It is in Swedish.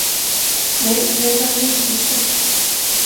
Nej, jag är bara nyfiken.